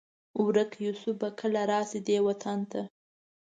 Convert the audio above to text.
ورک یوسف به کله؟ راشي دې وطن ته